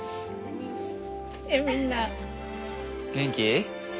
元気？